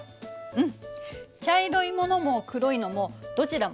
うん。